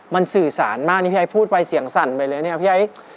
มันสื่อสารมากนี่พี่ไอ้พูดไปเสียงสั่นไปเลยเนี่ยพี่ไอ้